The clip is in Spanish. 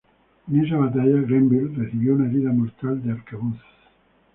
En esa batalla Grenville recibió una herida mortal de arcabuz.